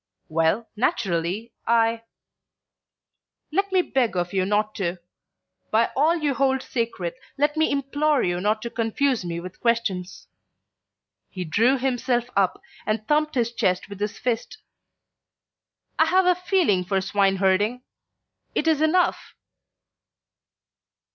"Well, naturally, I " "Let me beg of you not to. By all you hold sacred let me implore you not to confuse me with questions." He drew himself up and thumped his chest with his fist. "I have a feeling for swineherding; it is enough."